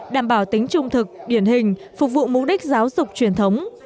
đảm bảo tính trung thực điển hình phục vụ mục đích giáo dục truyền thống